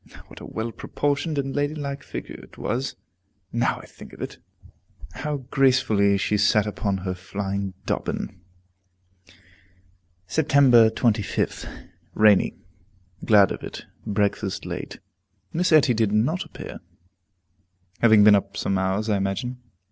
What a well proportioned and ladylike figure it was, now I think of it! How gracefully she sat upon her flying Dobbin! Sept. 25th. Rainy. Glad of it. Breakfast late. Miss Etty did not appear, having been up some hours, I imagine.